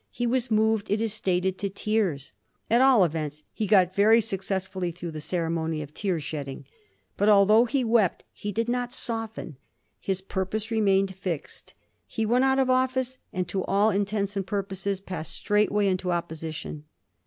He was moved, it is stated, to tears. At all events, he got very successfully through the ceremony of tear shedding. But, although he wept, he did not soften. His purpose remained fixed. He went out of office, and, to all intents and purposes, passed straightway into opposition.